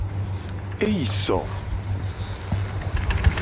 Eyi so.